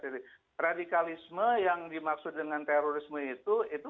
jadi radikalisme yang dimaksud dengan terorisme itu